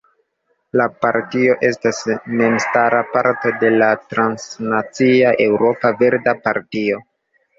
La partio estas memstara parto de la transnacia Eŭropa Verda Partio.